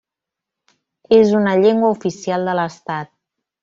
És una llengua oficial de l'Estat.